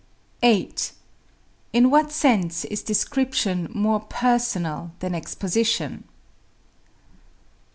8. In what sense is description more personal than exposition?